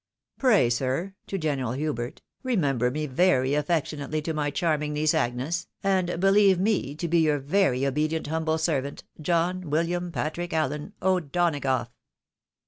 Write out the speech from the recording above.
Pray, sir (to General Hubert), remember me very affectionately to my charming niece Agnes, and beheve me to be your very obedient humble servant, John William Patrick AUen O'Donagough."